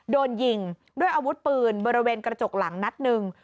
โดนยิงด้วยอาวุธปืนบริเวณกระจกหลังนัดหนึ่ง